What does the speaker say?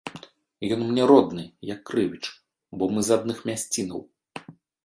Ён мне родны, як крывіч, бо мы з адных мясцінаў.